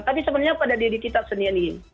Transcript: tapi sebenarnya pada diri kita sendiri